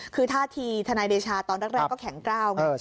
คือท่าทีทนายเดชาตอนแรกก็แข็งกล้าวไง